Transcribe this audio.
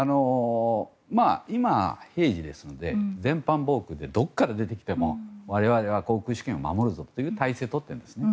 今は平時ですので全般防空ってどこかで出てきても我々は航空主権を守るぞという態勢を取っているんですね。